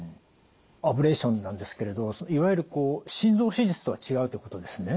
アブレーションなんですけれどいわゆる心臓手術とは違うということですね？